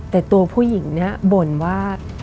แต่ตัวผู้หญิงบ่นว่า